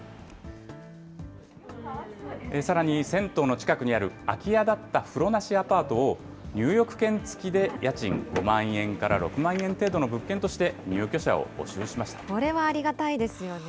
さらに銭湯の近くにある空き家だった風呂なしアパートを、入浴券付きで家賃５万円から６万円程度の物件として、入居者を募これはありがたいですよね。